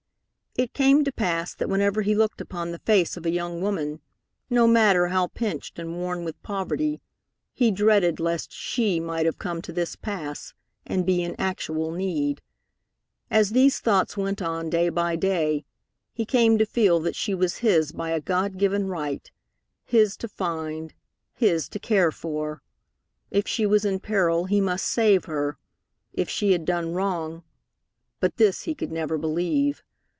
It came to pass that whenever he looked upon the face of a young woman, no matter how pinched and worn with poverty, he dreaded lest she might have come to this pass, and be in actual need. As these thoughts went on day by day, he came to feel that she was his by a God given right, his to find, his to care for. If she was in peril, he must save her. If she had done wrong but this he could never believe.